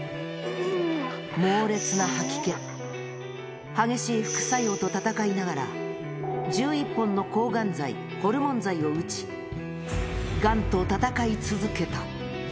猛烈な吐き気、激しい副作用と闘いながら、１１本の抗がん剤、ホルモン剤を打ち、がんと闘い続けた。